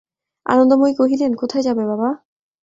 আনন্দময়ী কহিলেন, কোথায় যাবে বাবা?